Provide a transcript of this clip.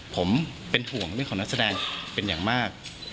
ผมเป็นห่วงเรื่องของนักแสดงเป็นอย่างมาก